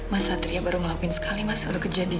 mas satria baru ngelakuin sekali masih udah kejadian